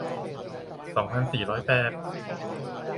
สองพันสี่ร้อยแปด